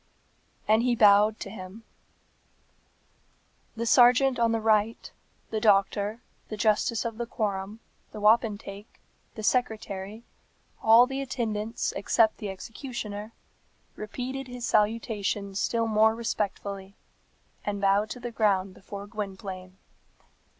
And he bowed to him. The serjeant on the right, the doctor, the justice of the quorum, the wapentake, the secretary, all the attendants except the executioner, repeated his salutation still more respectfully, and bowed to the ground before Gwynplaine.